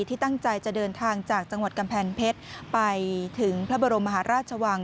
ที่ตั้งใจจะเดินทางจากจังหวัดกำแพงเพชรไปถึงพระบรมมหาราชวัง